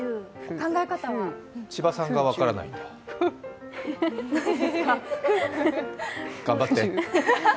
千葉さんが分からないんだ？頑張って！